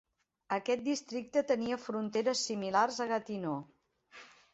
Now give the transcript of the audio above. Aquest districte tenia fronteres similars a Gatineau.